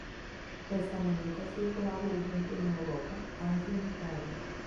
Questa moneta circolava ovunque in Europa, anche in Italia.